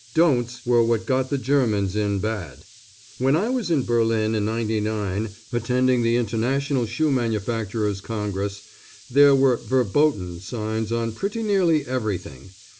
"Don'ts" were what got the Germans in bad. When I was in Berlin in '99 attending the International Shoe Manufacturers' Congress, there were "Verboten" signs on pretty nearly everything.